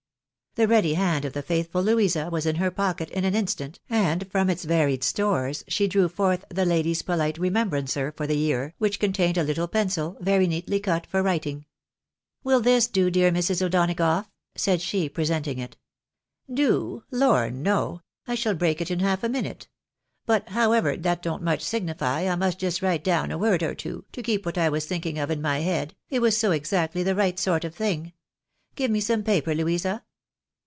" The ready hand of the faithful Louisa was in her pocket in an instant, and from its varied stores she drew forth the " Lady's Polite Remembrancer" for the year, which contained a little pencU, very neatly cut for writing. " "WlU this do, dear Mrs. O'Donagough ?" said she, present ing it. " Do ? Lor no ! I shall break it in half a minute. But, however, that don t much signify, I may just write down a word or two, to keep what I was thinking of in my head, it was so exactly the right sort of thing. Give me some paper, Louisa?